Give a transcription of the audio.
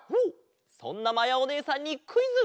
そんなまやおねえさんにクイズ！